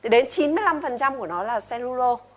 đến chín mươi năm của nó là cellulo